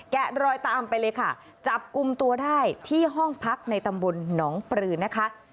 รอยตามไปเลยค่ะจับกลุ่มตัวได้ที่ห้องพักในตำบลหนองปลือนะคะ